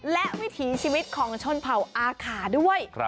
และวิถีชีวิตของชนเผ่าอาขาด้วย